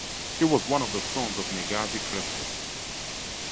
He was one of the sons of Negasi Krestos.